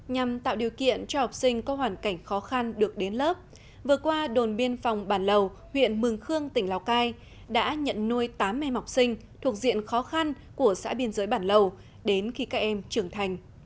nhằm tạo điều kiện cho học sinh có hoàn cảnh khó khăn được đến lớp vừa qua đồn biên phòng bản lầu huyện mường khương tỉnh lào cai đã nhận nuôi tám em học sinh thuộc diện khó khăn của xã biên giới bản lầu đến khi các em trưởng thành